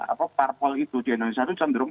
apa parpol itu di indonesia itu cenderung